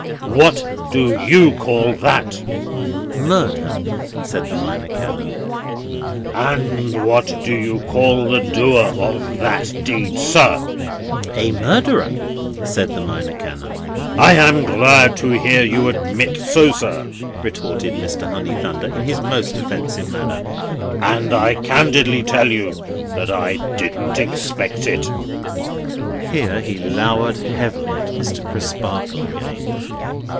What do you call that?" "Murder," said the Minor Canon. "What do you call the doer of that deed, sir? "A murderer," said the Minor Canon. "I am glad to hear you admit so much, sir," retorted Mr. Honeythunder, in his most offensive manner; "and I candidly tell you that I didn't expect it." Here he lowered heavily at Mr. Crisparkle again.